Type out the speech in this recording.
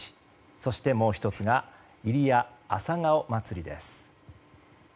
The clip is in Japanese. そして、もう１つが入谷朝顔まつりです。